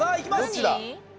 どっちだ？